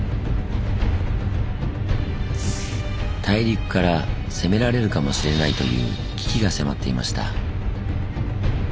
大陸から攻められるかもしれないという危機が迫っていました。